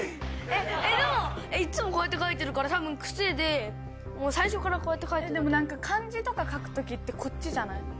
えでもいつもこうやって書いてるから多分クセで最初からこうやって書いてるでも漢字とか書く時ってこっちじゃない？